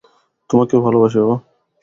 তোমাকেও ভালোবাসি, বাবা।